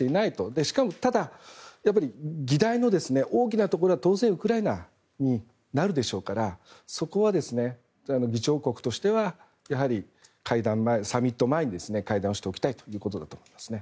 しかもただ議題の大きなところは当然ウクライナになるでしょうからそこは、議長国としてはサミット前に会談をしておきたいということだと思いますね。